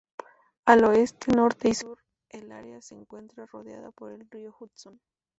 Al oeste, norte y sur, el área se encuentra rodeada por el Río Hudson.